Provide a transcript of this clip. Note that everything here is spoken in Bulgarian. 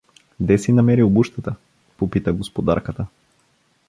— Де си намери обущата? — попита господарката.